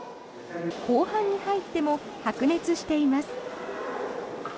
後半に入っても白熱しています。